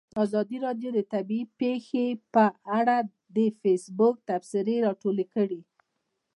ازادي راډیو د طبیعي پېښې په اړه د فیسبوک تبصرې راټولې کړي.